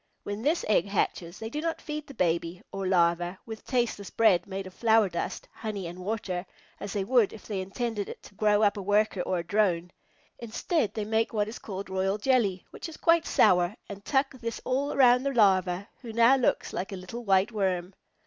When this egg hatches, they do not feed the baby, or Larva, with tasteless bread made of flower dust, honey, and water, as they would if they intended it to grow up a Worker or a Drone. Instead, they make what is called royal jelly, which is quite sour, and tuck this all around the Larva, who now looks like a little white worm.